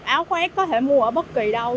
áo khoác có thể mua ở bất kỳ đâu